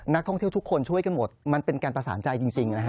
นักท่องเที่ยวทุกคนช่วยกันหมดมันเป็นการประสานใจจริงนะฮะ